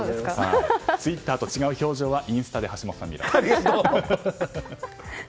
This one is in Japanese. ツイッターと違う表情はインスタで橋下さんに。